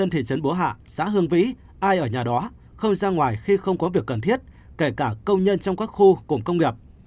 tổ hạ xã hương vĩ ai ở nhà đó không ra ngoài khi không có việc cần thiết kể cả công nhân trong các khu cùng công nghiệp